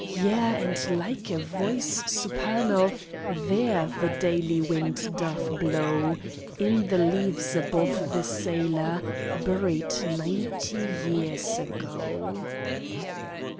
Yea, and like a Voice supernal, there the daily wind doth blow In the leaves above the sailor buried ninety years ago.